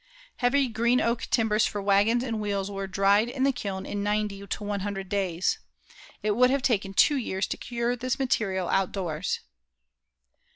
Heavy green oak timbers for wagons and wheels were dried in the kiln in ninety to one hundred days. It would have taken two years to cure this material outdoors.